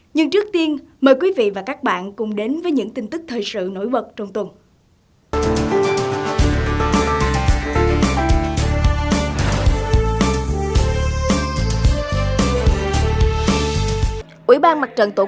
nhưng trước tiên mời quý vị và các bạn cùng đến với những tin tức thời sự nổi bật trong tuần